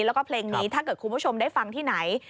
แล้วก็เพลงนี้ถ้าเกิดคุณผู้ชมได้ฟังที่ไหน